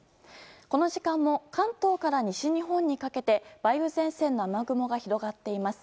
この時間も関東から西日本にかけて梅雨前線の雨雲が広がっています。